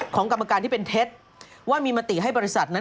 กรรมการที่เป็นเท็จว่ามีมติให้บริษัทนั้น